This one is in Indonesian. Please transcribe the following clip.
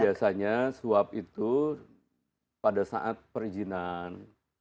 biasanya suap itu pada saat perizinan